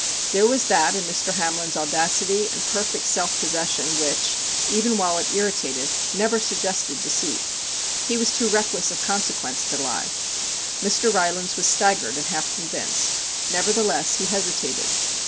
There was that in Mr. Hamlin's audacity and perfect self possession which, even while it irritated, never suggested deceit. He was too reckless of consequence to lie. Mr. Rylands was staggered and half convinced. Nevertheless he hesitated.